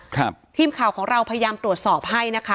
ทีมข่าวของเราพยายามตรวจสอบให้นะคะ